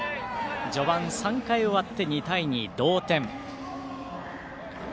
序盤、３回終わって２対２の同点。